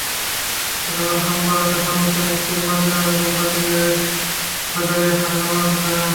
গতকাল সোমবার রাতে শামসুদ্দিনের স্ত্রী মর্জিনা বেগম বাদী হয়ে গজারিয়া থানায় মামলাটি করেন।